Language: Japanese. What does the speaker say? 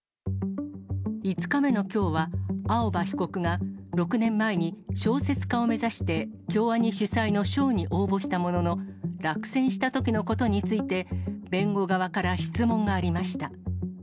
５日目のきょうは、青葉被告が６年前に小説家を目指して、京アニ主催の賞に応募したものの、落選したときのことについて、弁護側から質問がありました。